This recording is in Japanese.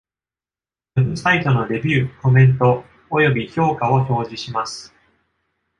Web サイトのレビュー、コメント、および評価を表示します。